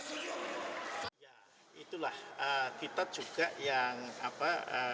ya itulah kita juga yang apa